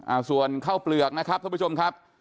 อ่าส่วนข้าวเปลือกนะครับท่านผู้ชมครับ